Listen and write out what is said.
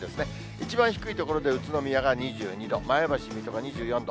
一番低い所で宇都宮が２２度、前橋、水戸が２４度。